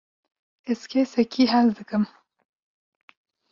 ez kesekî hez dikim